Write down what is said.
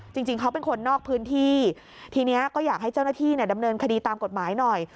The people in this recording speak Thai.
จริงเขาเป็นคนนอกพื้นที่ทีนี้ก็อยากให้เจ้าหน้าที่ดำเนินคดีตามกฎหมายหน่อย